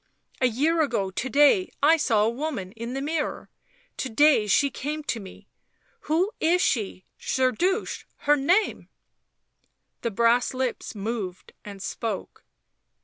" A year ago to day I saw a woman in the mirror ; to day she came to me ... who is she? ... Zerdusht — her name ?" The brass lips moved and spoke.